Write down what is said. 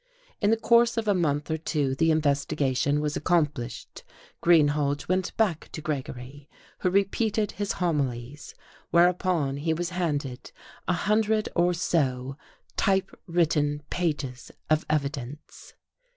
In the course of a month or two the investigation was accomplished, Greenhalge went back to Gregory; who repeated his homilies, whereupon he was handed a hundred or so typewritten pages of evidence.